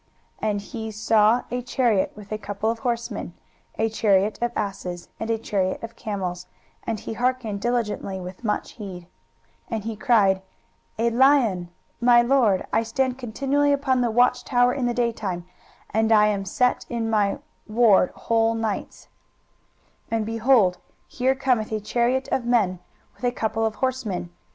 23:021:007 And he saw a chariot with a couple of horsemen, a chariot of asses, and a chariot of camels; and he hearkened diligently with much heed: 23:021:008 And he cried, A lion: My lord, I stand continually upon the watchtower in the daytime, and I am set in my ward whole nights: 23:021:009 And, behold, here cometh a chariot of men, with a couple of horsemen.